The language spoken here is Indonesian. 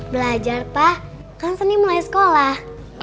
belajar tah kan seni mulai sekolah